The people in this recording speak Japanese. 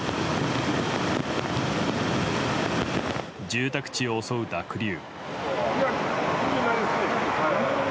住宅地を襲う濁流。